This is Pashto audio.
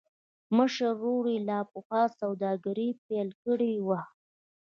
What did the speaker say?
مشر ورور يې لا پخوا سوداګري پيل کړې وه.